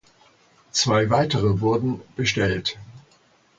Zwei weitere wurden bestellt.